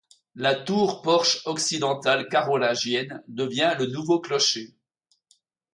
La tour-porche occidentale carolingienne devient le nouveau clocher.